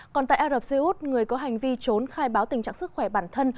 còn tại ả rập xê út người có hành vi trốn khai báo tình trạng sức khỏe bản thân